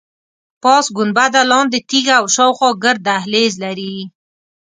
پاس ګنبده، لاندې تیږه او شاخوا ګرد دهلیز لري.